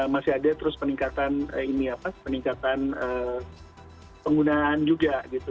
masih ada terus peningkatan ini apa peningkatan penggunaan juga gitu